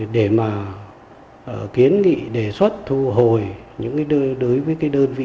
để mà kiến nghị đề xuất thu hồi những đối với đơn vị